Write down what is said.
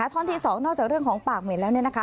ท่อนที่๒นอกจากเรื่องของปากเหม็นแล้วเนี่ยนะคะ